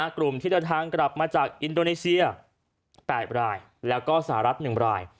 กลุ่มที่เดินทางกลับมาจากอินโดนีเซีย๘รายแล้วก็สหรัฐ๑ราย